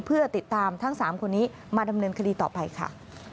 เพื่อติดตามทั้ง๓คนนี้มาดำเนินคดีต่อไปค่ะ